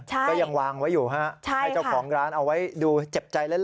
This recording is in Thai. ใช่ใช่ค่ะให้เจ้าของร้านเอาไว้ดูเจ็บใจเล่น